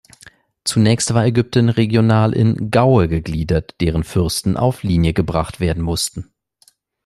Zunächst war Ägypten regional in Gaue gegliedert, deren Fürsten auf Linie gebracht werden mussten.